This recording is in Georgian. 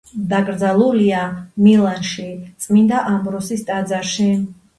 დაკრძალულია მილანში, წმინდა ამბროსის ტაძარში.